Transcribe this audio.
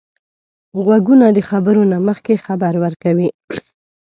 غوږونه د خبرو نه مخکې خبر ورکوي